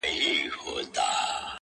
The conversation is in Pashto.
o اور د خپلي لمني بلېږي!